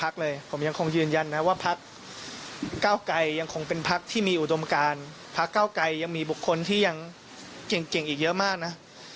ก้าวไกลยังมีบุคคลที่ยังเก่งอีกเยอะมากนะ